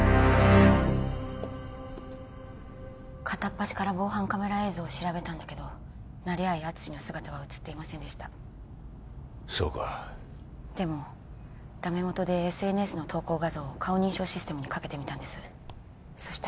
片っ端から防犯カメラ映像を調べたんだけど成合淳の姿は写っていませんでしたそうかでもダメ元でＳＮＳの投稿画像を顔認証システムにかけてみたんですそ